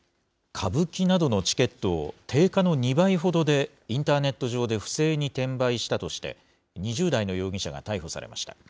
歌舞伎などのチケットを定価の２倍ほどでインターネット上で不正に転売したとして、２０代の容疑者が逮捕されました。